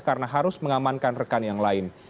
karena harus mengamankan rekan yang lain